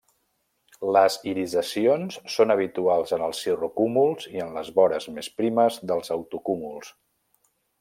Les irisacions són habituals en els cirrocúmuls i en les vores més primes dels altocúmuls.